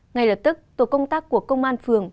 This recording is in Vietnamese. ngay lập tức tổ công tác của công an phường